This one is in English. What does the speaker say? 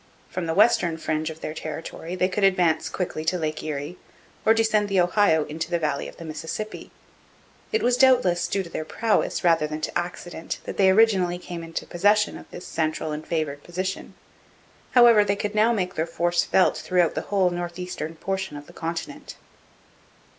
From the western fringe of their territory they could advance quickly to Lake Erie, or descend the Ohio into the valley of the Mississippi. It was doubtless due to their prowess rather than to accident that they originally came into possession of this central and favoured position; however, they could now make their force felt throughout the whole north eastern portion of the continent.